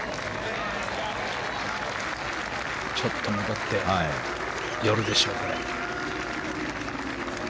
ちょっと上って寄るでしょう。